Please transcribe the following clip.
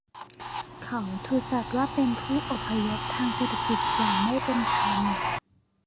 เขาถูกจัดว่าเป็นผู้อพยพทางเศรษฐกิจอย่างไม่เป็นธรรม